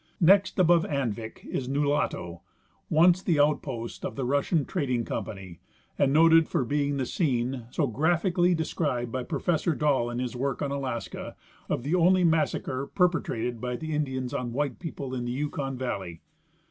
Next above Anvik is Nulato, once the outpost of the Russian Trading company and noted for being the scene (so graphically described by Professor Dall in his work on Alaska) of the only massacre perpetrated by the Indians on white people in the Yukon valley.